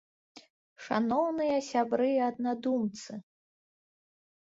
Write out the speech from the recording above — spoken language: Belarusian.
Шаноўныя сябры і аднадумцы!